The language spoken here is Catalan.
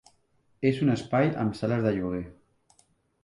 És un espai amb sales de lloguer.